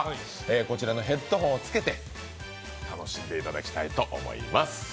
こちらのヘッドホンをつけて楽しんでいただきたいと思います。